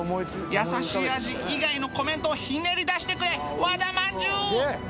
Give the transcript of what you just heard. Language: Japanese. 「優しい味」以外のコメントをひねり出してくれ和田まんじゅう！